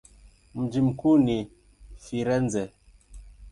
Mji mkuu ni Firenze.